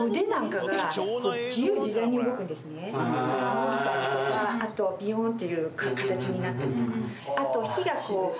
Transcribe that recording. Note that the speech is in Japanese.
伸びたりとかビヨーンっていう形になったりとか。